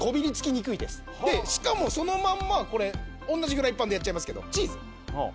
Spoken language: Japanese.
しかもそのまんまこれ同じフライパンでやっちゃいますけど。